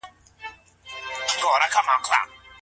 ایا مېرمن د غسالې په توګه دنده ترسره کولای سي؟